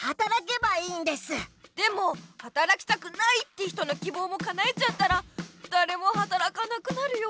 でもはたらきたくないって人のきぼうもかなえちゃったらだれもはたらかなくなるよ。